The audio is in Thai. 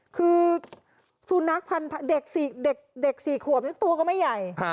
คือสุนัขเด็ก๔ขวบยังตัวก็ไม่ใหญ่